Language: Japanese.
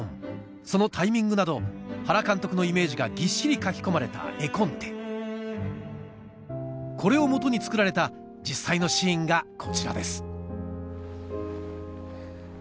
そのタイミングなど原監督のイメージがぎっしり描き込まれた絵コンテこれを基に作られた実際のシーンがこちらです